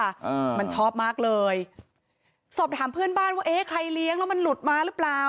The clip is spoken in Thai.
อ่ามันชอบมากเลยสอบถามเพื่อนบ้านว่าเอ๊ะใครเลี้ยงแล้วมันหลุดมาหรือเปล่า